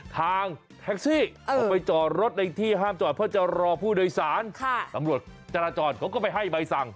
ทางแท็กซี่เขาไปจอดรถในที่ห้ามจอดเพื่อจะรอผู้โดยสารตำรวจจราจรเขาก็ไปให้ใบสั่ง